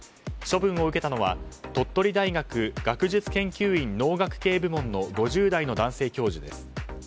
処分を受けたのは鳥取大学学術研究院農学系部門の５０代の男性教授です。